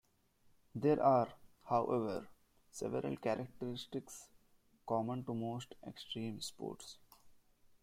There are, however, several characteristics common to most extreme sports.